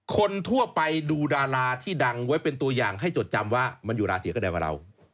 คนทั่วไปดูดาราที่ดังไว้เป็นตัวอย่างให้จดจำว่ามันอยู่ราศีกระดาวกับเรา